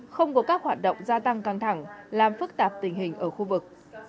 không có các hoạt động gia tăng căng thẳng làm phức tạp tình hình ở khu vực